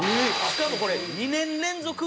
しかもこれ２年連続。